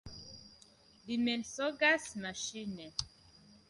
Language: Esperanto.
Li mensogas maŝine.